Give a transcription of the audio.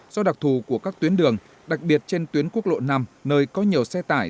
do đặc thù của các tuyến đường đặc biệt trên tuyến quốc lộ năm nơi có nhiều xe tải